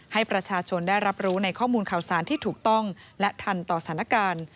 ให้ประชาชนได้รับรู้ในข้อมูลข่าวสารที่ถูกต้องและทันต่อสถานการณ์